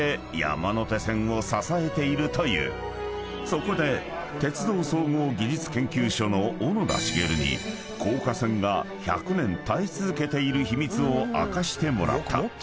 ［そこで鉄道総合技術研究所の小野田滋に高架線が１００年耐え続けている秘密を明かしてもらった］